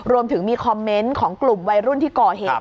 รวมถึงมีคอมเมนต์ของกลุ่มวัยรุ่นที่ก่อเหตุ